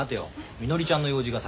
みのりちゃんの用事が先。